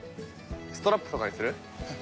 ストラップとかにする？